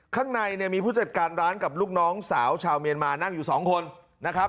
ข้างในเนี่ยมีผู้จัดการร้านกับลูกน้องสาวชาวเมียนมานั่งอยู่สองคนนะครับ